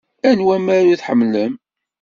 Anwa amaru i tḥemmlem?